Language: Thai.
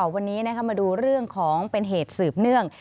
วันนี้มาดูเรื่องของเป็นเหตุสืบเนื่อง